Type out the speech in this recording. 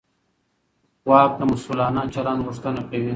واک د مسوولانه چلند غوښتنه کوي.